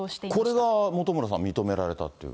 これが本村さん、認められたっていう。